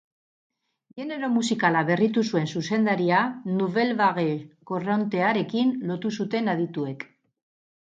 Genero musikala berritu zuen zuzendaria nouvelle vague korrontearekin lotu zuten adituek.